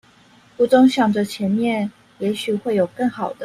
我總想著前面也許會有更好的